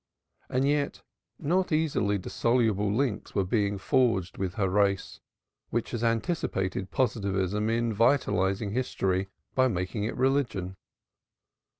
And yet not easily dissoluble links were being forged with her race, which has anticipated Positivism in vitalizing history by making it religion.